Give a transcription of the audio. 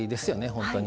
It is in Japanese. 本当に。